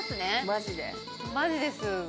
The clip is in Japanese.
マジです。